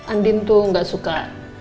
andien tuh gak suka